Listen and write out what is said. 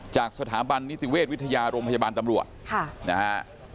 จากสถาบันนิติเวชวิทยาโรงพยาบาลตำรวจนะฮะ